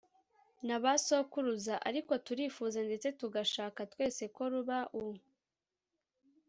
n'abasokuruza. ariko turifuza, ndetse tugashaka twese ko ruba u